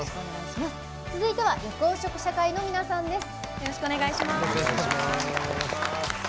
続いては緑黄色社会の皆さんです。